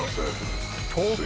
東京。